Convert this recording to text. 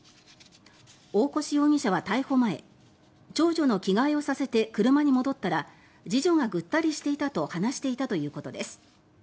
大越容疑者は逮捕前長女の着替えをさせて車に戻ったら次女がぐったりしていたと話していたということです。